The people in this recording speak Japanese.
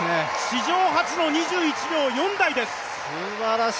史上初の２１秒４台です。